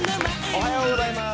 おはようございます。